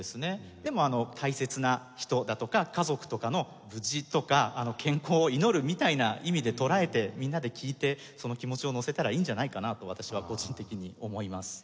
でも大切な人だとか家族とかの無事とか健康を祈るみたいな意味で捉えてみんなで聴いてその気持ちをのせたらいいんじゃないかなと私は個人的に思います。